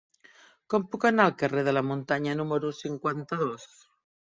Com puc anar al carrer de la Muntanya número cinquanta-dos?